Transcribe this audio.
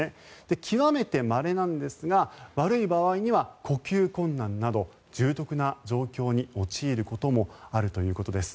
極めてまれなんですが悪い場合には呼吸困難など重篤な状況に陥ることもあるということです。